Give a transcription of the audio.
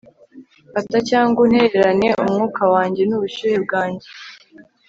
Fata cyangwa untererane umwuka wanjye nubushyuhe bwanjye